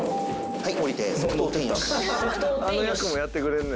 はい。